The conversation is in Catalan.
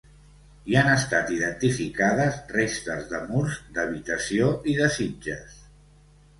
Hi han estat identificades restes de murs, d'habitació i de sitges.